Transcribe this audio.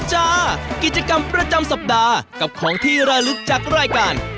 เดินทางมาเท่ากับของที่ระลึกจากรายการ